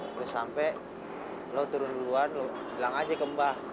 terus sampai lo turun duluan lo bilang aja ke mbah